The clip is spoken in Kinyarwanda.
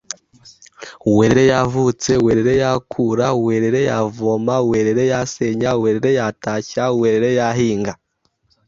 “werere yavutse werere yakura werere yavoma werere yasenya werere yatashya werere yahinga…